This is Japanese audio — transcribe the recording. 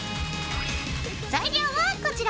材料はこちら。